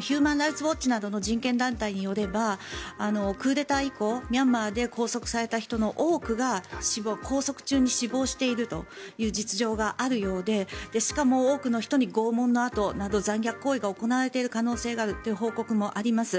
ヒューマン・ライツ・ウォッチなどの人権団体によればクーデター以降、ミャンマーで拘束された人の多くが拘束中に死亡しているという実情があるようでしかも、多くの人に拷問の痕など残虐な行為が行われている可能性があるという報告もあります。